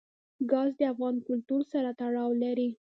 ګاز د افغان کلتور سره تړاو لري.